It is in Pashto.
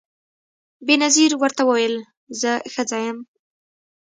بېنظیر ورته وویل زه ښځه یم